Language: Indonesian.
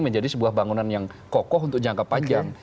menjadi sebuah bangunan yang kokoh untuk jangka panjang